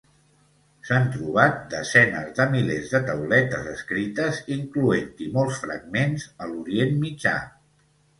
S'han trobat desenes de milers de tauletes escrites, incloent-hi molts fragments a l'Orient Mitjà.